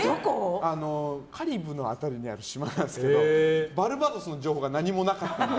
カリブの辺りにある島なんですけどバルバドスの情報が何もなかった。